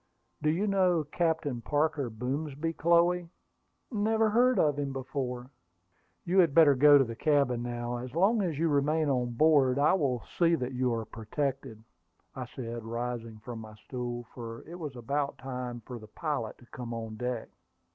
"Do you know Captain Parker Boomsby, Chloe?" "Never heard of him before." "You had better go to the cabin now. As long as you remain on board, I will see that you are protected," I said, rising from my stool, for it was about time for the pilot to come on deck.